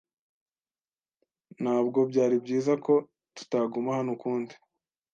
Ntabwo byari byiza ko tutaguma hano ukundi.